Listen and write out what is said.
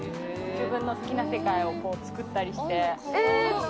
自分の好きな世界をつくったりして。